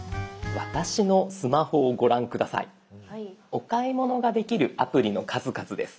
お買い物ができるアプリの数々です。